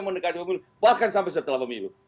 mendekati pemilu bahkan sampai setelah pemilu